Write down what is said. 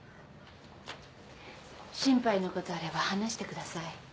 心配のことあれば話してください。